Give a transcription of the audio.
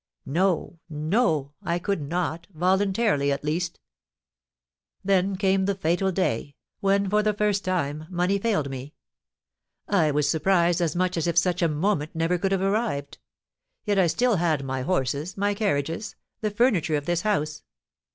No! No! I could not, voluntarily, at least. "Then came the fatal day, when, for the first time, money failed me. I was surprised as much as if such a moment never could have arrived. Yet I had still my horses, my carriages, the furniture of this house.